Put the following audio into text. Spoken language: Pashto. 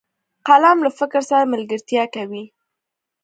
قلم له فکر سره ملګرتیا کوي